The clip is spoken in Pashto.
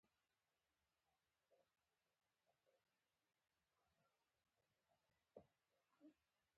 اقتصاد د سکاټلینډ فیلسوف ادم سمیت لخوا پیل شو چې شتمني یې مطالعه کړه